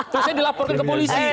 terus saya dilaporkan ke polisi